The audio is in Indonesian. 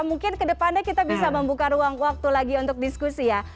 mungkin kedepannya kita bisa membuka ruang waktu lagi untuk diskusi ya